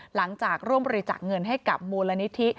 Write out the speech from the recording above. หลังจากร่วมบริจาคเงินให้กับมูลนิธิ